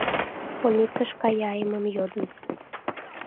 Больницыш кая, эмым йодын